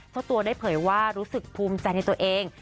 เจ้าตัวได้เผยว่ารู้สึกภูมิใจในตัวเอง